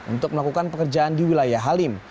untuk melakukan pekerjaan di wilayah halim